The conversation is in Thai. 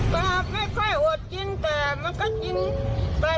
ก็ไม่ค่อยอดกินแต่มันก็กินปลาร้ากินต้มไข่ไป